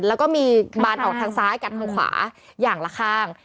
แล้วก็มีบานออกทางซ้ายกัดทางขวาอย่างละข้าง